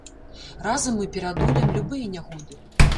Разам мы пераадолеем любыя нягоды!